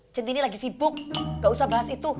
centini lagi sibuk gak usah bahas itu